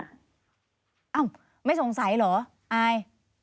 เอ้าไม่สงสัยเหรออาย